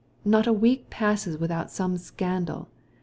Not a week goes by without some scandal.